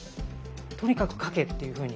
とにかく描けっていうふうに。